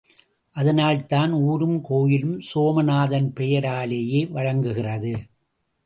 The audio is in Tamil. அதனால்தான் ஊரும் கோயிலும் சோமநாதன் பெயராலேயே வழங்குகிறது.